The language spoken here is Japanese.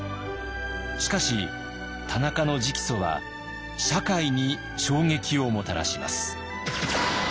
しかし田中の直訴は社会に衝撃をもたらします。